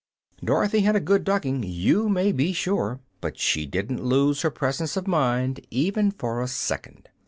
Dorothy had a good ducking, you may be sure, but she didn't lose her presence of mind even for a second.